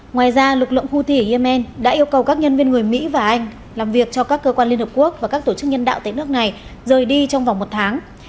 ngoài ra lực lượng houthi ở yemen đã yêu cầu các nhân viên người mỹ và anh làm việc cho các cơ quan liên hợp quốc và các tổ chức nhân đạo tại nước này rời đi trong vòng một tháng